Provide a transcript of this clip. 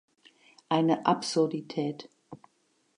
Eine Absurdität!